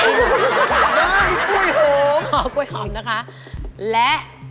ขอกล้วยหอมนะคะ